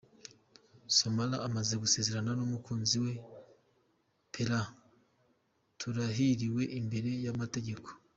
Samora amaze gusezerana n'umukunzi we Pelan Turahiriwe imbere y'amategeko.